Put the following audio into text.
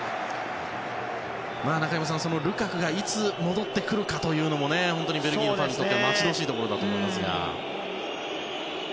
中山さん、ルカクがいつ戻ってくるかというのも本当にベルギーのファンにとって待ち遠しいところだと思います。